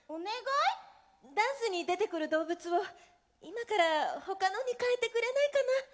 ダンスに出てくる動物を今からほかのに変えてくれないかな？